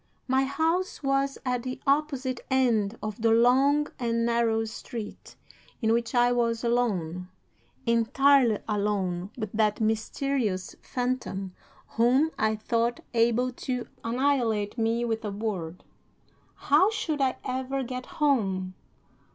"'My house was at the opposite end of the long and narrow street, in which I was alone, entirely alone with that mysterious phantom whom I thought able to annihilate me with a word. How should I ever get home?